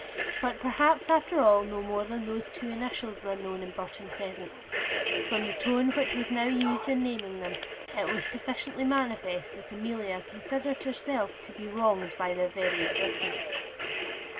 But perhaps, after all, no more than those two initials were known in Burton Crescent. From the tone which was now used in naming them, it was sufficiently manifest that Amelia considered herself to be wronged by their very existence.